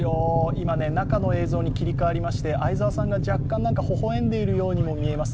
今、中の映像に切り替わりまして前澤さんがほほ笑んでいるようにみえます。